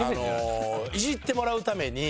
イジってもらうために。